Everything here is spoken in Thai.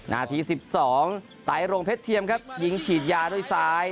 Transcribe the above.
นาที๑๒ไตรรงเพชรเทียมครับยิงฉีดยาด้วยซ้าย